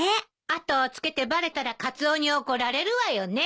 後をつけてバレたらカツオに怒られるわよね。